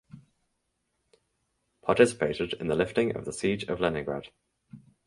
Participated in the lifting of the siege of Leningrad.